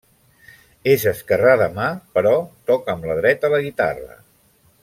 És esquerrà de mà, però toca amb la dreta la guitarra.